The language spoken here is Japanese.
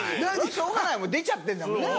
しょうがないもう出ちゃってんだもんね。